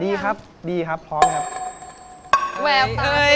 ดีครับดีครับพร้อมครับ